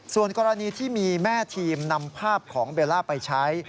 ส่วนกรณีที่มีแม่ทีมนำภาพของเบลล่าไปใช้